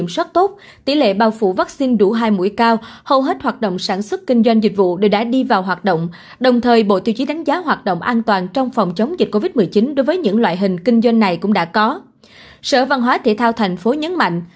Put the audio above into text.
sở văn hóa thể thao thành phố nhấn mạnh